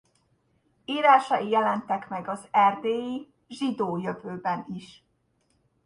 Írásai jelentek meg az erdélyi Zsidó Jövőben is.